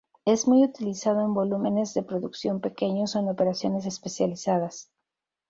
Es muy utilizado en volúmenes de producción pequeños o en operaciones especializadas.